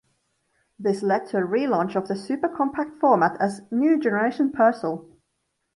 This led to a relaunch of the super-compact format as "New Generation Persil".